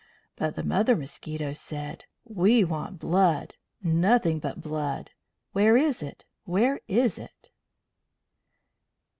But the mother mosquitoes said: "We want blood. Nothing but blood. Where is it? Where is it?"